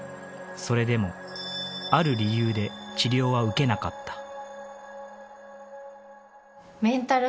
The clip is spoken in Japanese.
それでもある理由で治療は受けなかった。